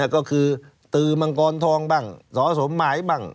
ก็คือตือมังกรทองบ้างสอสมหมายบ้าง